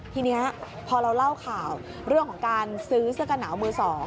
ทีนี้พอเราเล่าข่าวเรื่องของการซื้อเสื้อกระหนาวมือ๒